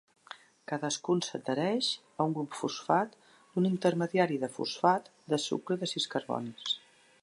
Cadascun s'adhereix a un grup fosfat d'un intermediari de fosfat de sucre de sis carbonis.